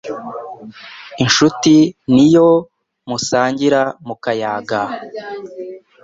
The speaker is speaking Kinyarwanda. Inshuti ni iyo musangira mukayaga